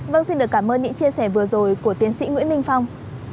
vâng xin được cảm ơn những chia sẻ vừa rồi của tiến sĩ nguyễn minh phong